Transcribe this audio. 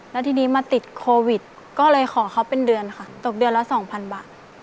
แล้วทีนี้มาติดโควิดก็เลยขอเขาเป็นเดือนค่ะตกเดือนละสองพันบาท